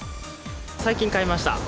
最近買いました。